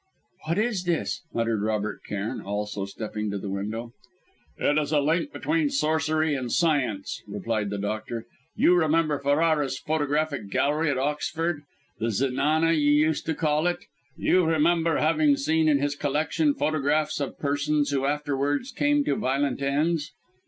"What is this?" muttered Robert Cairn, also stepping to the window. "It is a link between sorcery and science!" replied the doctor. "You remember Ferrara's photographic gallery at Oxford? the Zenana, you used to call it! You remember having seen in his collection photographs of persons who afterwards came to violent ends?"